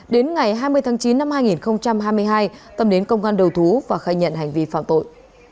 đến ngày hai mươi tháng chín năm hai nghìn hai mươi hai tâm đến công an đầu thú và khai nhận hành vi phạm tội